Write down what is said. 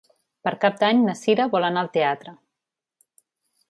Per Cap d'Any na Sira vol anar al teatre.